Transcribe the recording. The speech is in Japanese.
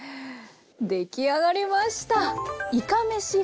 出来上がりました。